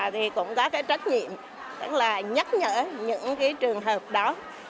thì cũng có cái trách nhiệm tức là nhắc nhở những cái trường hợp đó